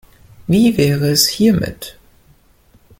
Wie wäre es hiermit?